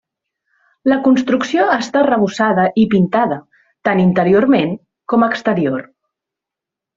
La construcció està arrebossada i pintada, tant interiorment com exterior.